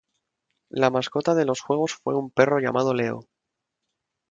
La mascota de los juegos fue un perro llamado "Leo".